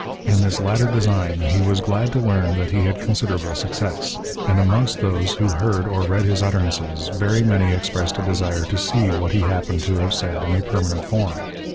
In this latter design, he was glad to learn ^hat he had considerable success ; and amongst those who heard or read hi3 utterances, very many expressed a desire to see what he happened to have said in a permanent form.